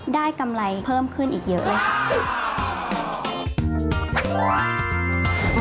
กำไรเพิ่มขึ้นอีกเยอะเลยค่ะ